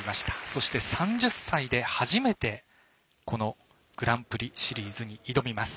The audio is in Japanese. そして３０歳で初めてグランプリシリーズに挑みます。